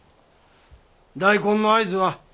大根の合図は？